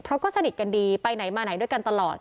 เพราะก็สนิทกันดีไปไหนมาไหนด้วยกันตลอด